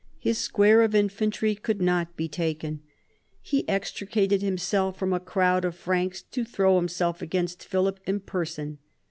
His square of infantry could not be taken. He extricated himself from a crowd of Franks to throw himself against Philip in person.